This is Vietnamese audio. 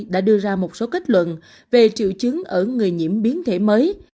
đã đưa ra một số kết luận về triệu chứng ở người nhiễm biến thể mới